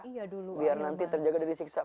iya dulu biar nanti terjaga dari siksa